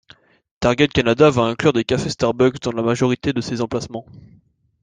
Target Canada va inclure des cafés Starbucks dans la majorité de ses emplacements.